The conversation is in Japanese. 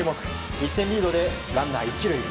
１点リードでランナー１塁。